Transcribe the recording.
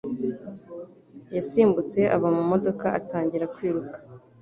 yasimbutse ava mu modoka atangira kwiruka.